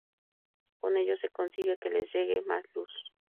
Con ello se consigue que les llegue más luz.